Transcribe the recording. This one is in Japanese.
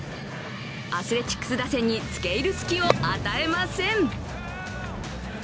アスレチックス打線に付け入る隙を与えません。